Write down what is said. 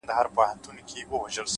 ذهن د تمرکز له لارې قوي کېږي.!